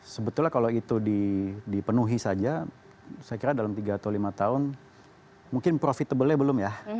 sebetulnya kalau itu dipenuhi saja saya kira dalam tiga atau lima tahun mungkin profitable nya belum ya